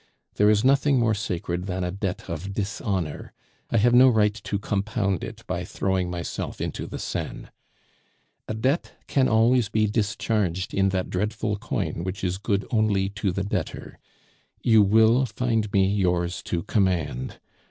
There is nothing more sacred than a debt of dishonor. I have no right to compound it by throwing myself into the Seine. "A debt can always be discharged in that dreadful coin which is good only to the debtor; you will find me yours to command.